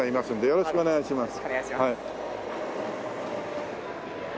よろしくお願いします。